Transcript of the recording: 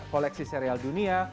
koleksi serial dunia